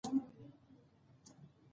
هر څوک باید خپل مسوولیت وپېژني.